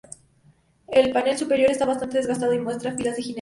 El panel superior está bastante desgastado y muestra filas de jinetes.